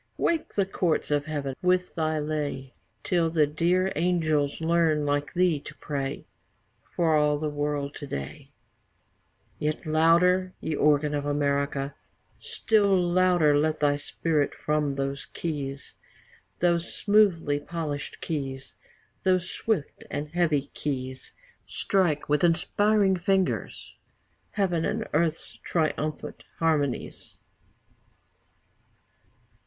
wake the courts of Heaven with thy lay, Till the dear angels learn like thee to pray For all the world to day; Yet louder, ye organ of America, Still louder, let thy Spirit from those keys, Those smoothly polished keys, Those swift and heavy keys, Strike, with inspiring fingers, Heaven and earth's triumphant harmonies.